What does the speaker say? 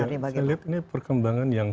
saya lihat ini perkembangan yang